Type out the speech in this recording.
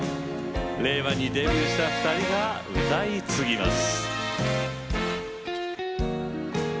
令和にデビューした２人が歌い継ぎます。